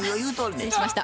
失礼しました。